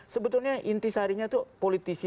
sebetulnya intisarinya itu politisi